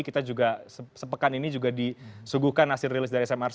kita juga sepekan ini juga disuguhkan hasil rilis dari smrc